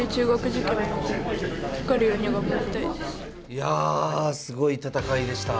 いやすごい戦いでした。